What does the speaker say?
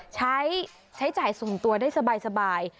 ใช้จ่ายส่งตัวได้สบาย